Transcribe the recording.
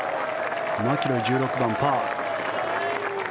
マキロイ１６番、パー。